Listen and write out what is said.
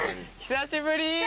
久しぶり！